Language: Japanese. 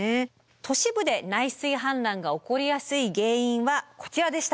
都市部で内水氾濫が起こりやすい原因はこちらでした。